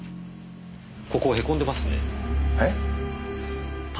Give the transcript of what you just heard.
ここへこんでますね。え？